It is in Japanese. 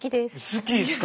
好きですか？